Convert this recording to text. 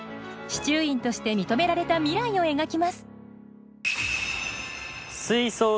司厨員として認められた未来を描きます。